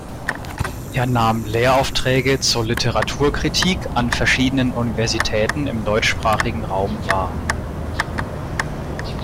Er nahm Lehraufträge zur Literaturkritik an verschiedenen Universitäten im deutschsprachigen Raum wahr.